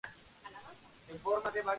Al año siguiente revalidó su título.